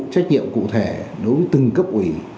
trách nhiệm cụ thể đối với từng cấp ủy